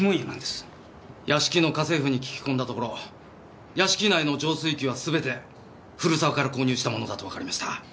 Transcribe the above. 屋敷の家政婦に聞き込んだところ屋敷内の浄水器は全て古沢から購入したものだとわかりました。